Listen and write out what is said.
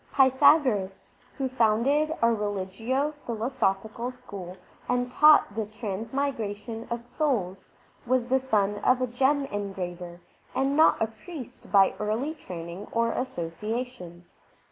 Pythagoras, who founded a religio philosophical school and taught the transmigra tion of souls, was the son of a gem engraver and not a priest by early training or association.